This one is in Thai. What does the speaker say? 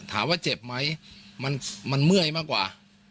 ถามว่าเจ็บไหมมันเมื่อยมากกว่า